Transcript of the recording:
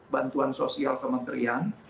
bantuan sosial kementerian